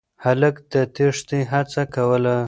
هلک د تېښتې هڅه کوله.